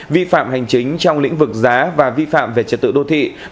vi phạm hành chính trong lĩnh vực giá và vi phạm về trật tự do của người này